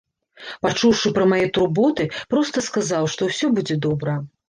Пачуўшы пра мае турботы, проста сказаў, што ўсё будзе добра.